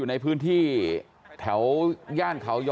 กลับไปลองกลับ